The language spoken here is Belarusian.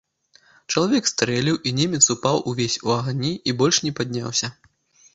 Чалавек стрэліў, і немец упаў увесь у агні, і больш не падняўся.